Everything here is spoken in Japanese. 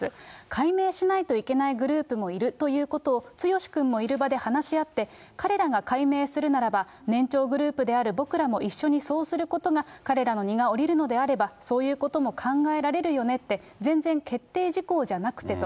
改名しないといけないグループもいるということを、剛君もいる場で話し合って、彼らが改名するならば、年長グループである僕らも一緒にそうすることが、彼らの荷が下りるのであれば、そういうことも考えられるよねって、全然決定事項じゃなくてと。